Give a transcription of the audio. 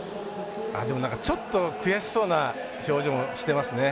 でも、ちょっと悔しそうな表情してますね。